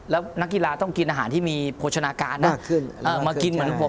แล้วนักกีฬาต้องกินอาหารที่มีโภชนาการนะมากขึ้นมากขึ้นใช่มากขึ้น